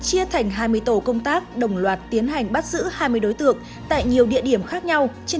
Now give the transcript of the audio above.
chia thành hai mươi tổ công tác đồng loạt tiến hành bắt giữ hai mươi đối tượng tại nhiều địa điểm khác nhau trên